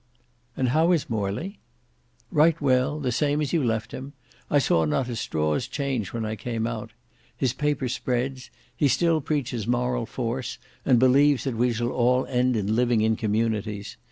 "And how is Morley?" "Right well; the same as you left him: I saw not a straw's change when I came out. His paper spreads. He still preaches moral force, and believes that we shall all end in living in communities.